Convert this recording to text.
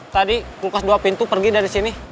tadi mukas dua pintu pergi dari sini